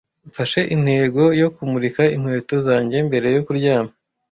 Mfashe intego yo kumurika inkweto zanjye mbere yo kuryama.